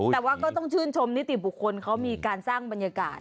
แต่ว่าก็ต้องชื่นชมนิติบุคคลเขามีการสร้างบรรยากาศ